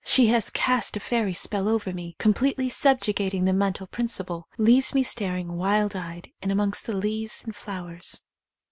She has cast a fairy spell over me completely subjugating the mental principle — leaves me staring wild eyed in amongst the leaves and flowers.